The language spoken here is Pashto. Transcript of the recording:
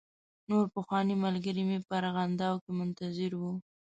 نور پخواني ملګري مې په ارغنداو کې منتظر و.